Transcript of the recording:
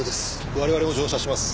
我々も乗車します。